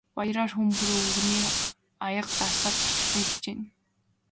Баяраар хүн бүр тэр өвгөнийг аяга дарсаар зочлохыг хичээнэ.